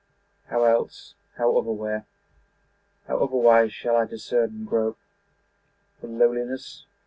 How else, how otherwhere, How otherwise, shall I discern and grope For lowliness?